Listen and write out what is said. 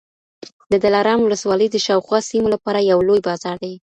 د دلارام ولسوالي د شاوخوا سیمو لپاره یو لوی بازار دی